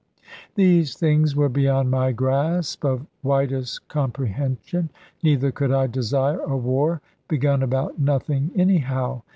These things were beyond my grasp of widest comprehension, neither could I desire a war, begun about nothing, anyhow.